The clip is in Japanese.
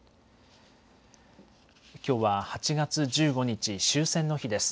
きょうは８月１５日終戦の日です。